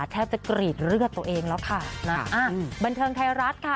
แทบจะกรีดเลือดตัวเองแล้วค่ะนะอ่าบันเทิงไทยรัฐค่ะ